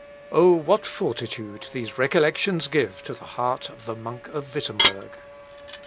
Oh, what fortitude these recollections give to the heart of the monk of Wittemberg!